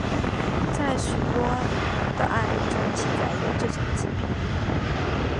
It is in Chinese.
在许多的案例中记载有这种疾病。